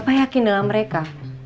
bapak yakin dengan mereka